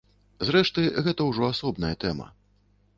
Зрэшты, гэта ўжо асобная тэма.